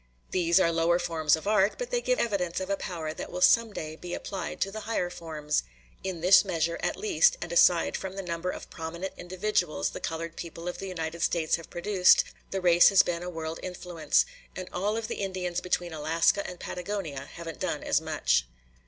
These are lower forms of art, but they give evidence of a power that will some day be applied to the higher forms. In this measure, at least, and aside from the number of prominent individuals the colored people of the United States have produced, the race has been a world influence; and all of the Indians between Alaska and Patagonia haven't done as much.